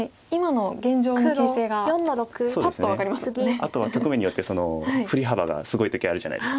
あとは局面によって振り幅がすごい時あるじゃないですか。